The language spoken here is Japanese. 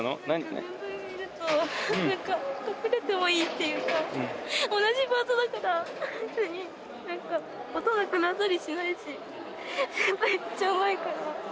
先輩がいると、なんか、隠れてもいいっていうか、同じパートだから、なんか音なくなったりしないし、先輩、めっちゃうまいから。